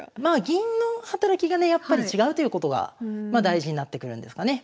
銀の働きがねやっぱり違うということが大事になってくるんですかね。